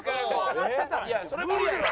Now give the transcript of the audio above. いやそれ無理やろ。